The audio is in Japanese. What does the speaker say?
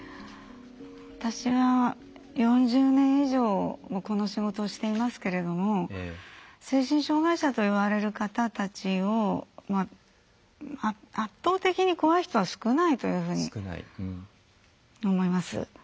私は４０年以上この仕事をしていますけども精神障害者といわれる方たち圧倒的に怖い人は少ないというふうに思います。